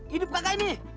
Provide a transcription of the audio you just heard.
hidup kagak ini